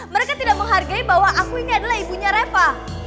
mereka tidak menghargai bahwa aku ini adalah ibunya reva